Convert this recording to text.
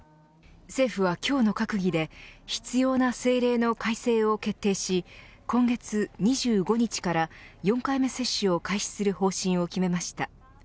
政府は今日の閣議で必要な政令の改正を決定し今月２５日から４回目接種を開始する方針を決めました。